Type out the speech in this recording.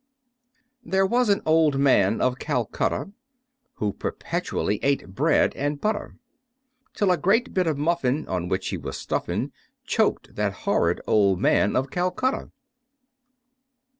There was an Old Man of Calcutta, Who perpetually ate bread and butter; Till a great bit of muffin, on which he was stuffing, Choked that horrid Old Man of Calcutta.